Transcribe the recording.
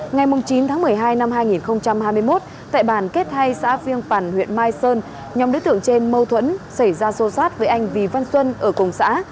ngày chín tháng một mươi hai năm hai nghìn hai mươi một tại bàn kết thay xã phiêng phản huyện mai sơn nhóm đối tượng trên mâu thuẫn xảy ra sâu sát với anh vy văn xuân ở công xã